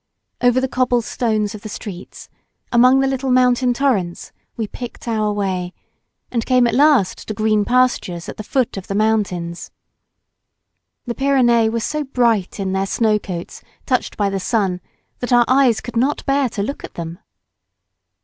Over the cobble stones of the streets, among the little mountain torrents, we picked our way, and came at last to green pastures at the foot of the mountains. The Pyrenees were so bright in their snow coats touched by the sun that our eyes could not bear to look at them.